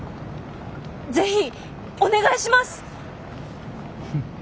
ぜひお願いします！